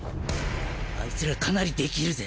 アイツらかなりできるぜ。